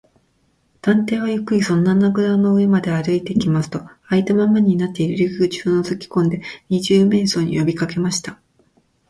探偵はゆっくりその穴ぐらの上まで歩いていきますと、あいたままになっている入り口をのぞきこんで、二十面相によびかけました。